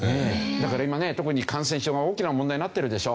だから今ね特に感染症が大きな問題になってるでしょ。